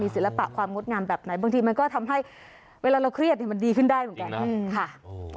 ศิลปะความงดงามแบบไหนบางทีมันก็ทำให้เวลาเราเครียดมันดีขึ้นได้เหมือนกัน